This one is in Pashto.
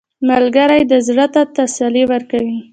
ملګری د زړه ته تسلي ورکوي